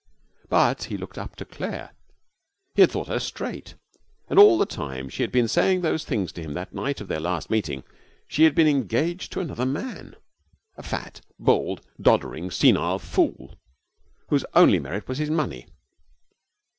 But he looked up to Claire. He had thought her straight. And all the time that she had been saying those things to him that night of their last meeting she had been engaged to another man, a fat, bald, doddering, senile fool, whose only merit was his money.